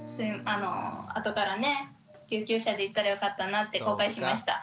あとからね救急車で行ったらよかったなって後悔しました。